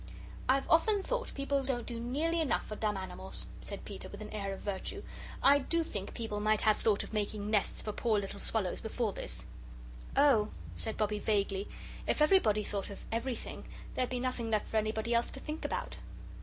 "I've often thought people don't do nearly enough for dumb animals," said Peter with an air of virtue. "I do think people might have thought of making nests for poor little swallows before this." "Oh," said Bobbie, vaguely, "if everybody thought of everything, there'd be nothing left for anybody else to think about."